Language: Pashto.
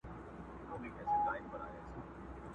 ساقي د میو ډک جامونه په نوبت وېشله؛